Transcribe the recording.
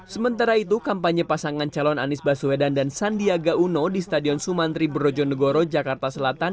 sementara itu kampanye pasangan calon anies baswedan dan sandiaga uno di stadion sumantri brojonegoro jakarta selatan